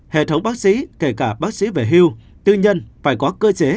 hệ thống bác sĩ kể cả bác sĩ về hưu tư nhân phải có cơ chế